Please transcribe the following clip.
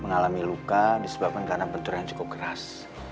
mengalami luka disebabkan karena benturan yang cukup keras